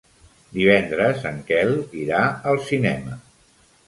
Divendres en Quel irà al cinema.